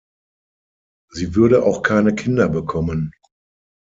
Sie würde auch keine Kinder bekommen.